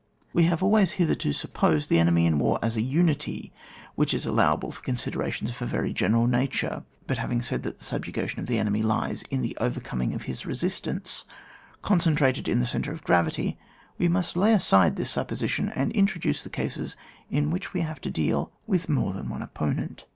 We have always hitherto supposed the enemy in war as a unity, which is allow able for considerations of a veiy general nature. But having said that tne subju gation of the enemy lies in the overcoming his resistance, concentrated in the centre of gravity, we must lay aside this sup position and introduce the case, in which we have to deal with more than one op ponent.